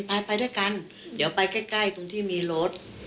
ไปไปด้วยกันเดี๋ยวไปใกล้ตรงที่มีรถ